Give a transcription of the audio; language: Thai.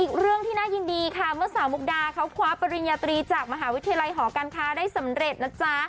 อีกเรื่องที่น่ายินดีค่ะเมื่อสาวมุกดาเขาคว้าปริญญาตรีจากมหาวิทยาลัยหอการค้าได้สำเร็จนะจ๊ะ